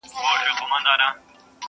تر اټکه د هلیمند څپې رسیږي؛